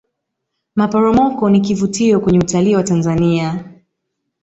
maporomoko ni kivutio kwenye utalii wa tanzania